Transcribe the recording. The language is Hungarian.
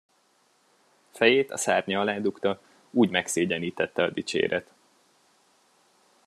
Fejét a szárnya alá dugta, úgy megszégyenítette a dicséret.